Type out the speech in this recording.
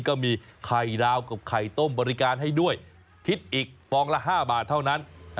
ก็มีไข่ดาวกับไข่ต้มบริการให้ด้วยคิดอีกฟองละ๕บาทเท่านั้น